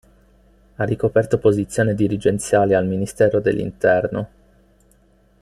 Ha ricoperto posizioni dirigenziali al Ministero dell'interno.